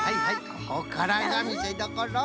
ここからがみせどころ。